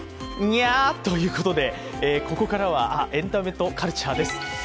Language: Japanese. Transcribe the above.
ニャということで、ここからはエンタメとカルチャーです。